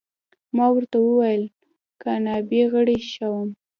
ما ورته وویل: د کابینې غړی شوم.